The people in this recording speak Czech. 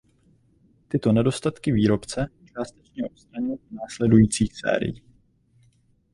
Tyto nedostatky výrobce částečně odstranil u následujících sérií.